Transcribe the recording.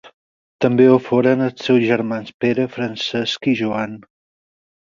També ho foren els seus germans Pere, Francesc i Joan.